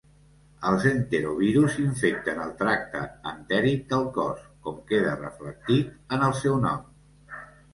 Els enterovirus infecten el tracte entèric del cos, com queda reflectit en el seu nom.